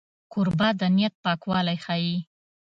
کوربه د نیت پاکوالی ښيي.